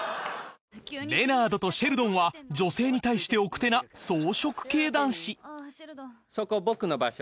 レナードとシェルドンは女性に対して奥手な草食系男子そこ僕の場所。